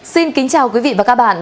xin kính chào quý vị và các bạn